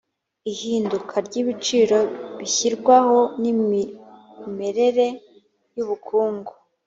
ihinduka ry’ibiciro bishyirwaho n’imimerere y’ubukungu